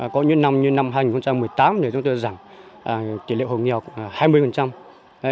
có những năm như năm hai nghìn một mươi tám chúng tôi giảm tỷ lệ hộ nghèo hai mươi